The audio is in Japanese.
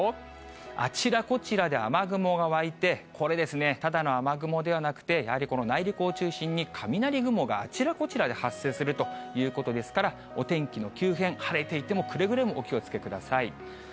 あちらこちらで雨雲が沸いて、これですね、ただの雨雲ではなくて、やはりこの内陸を中心に雷雲があちらこちらで発生するということですから、お天気の急変、晴れていてもくれぐれもお気をつけください。